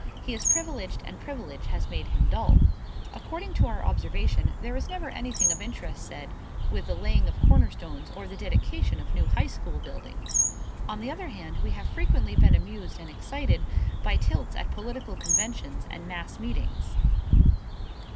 He is privileged and privilege has made him dull. According to our observation there is never anything of interest said with the laying of cornerstones or the dedication of new high school buildings. On the other hand, we have frequently been amused and excited by tilts at political conventions and mass meetings.